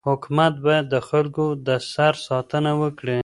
حکومت باید د خلکو د سر ساتنه وکړي.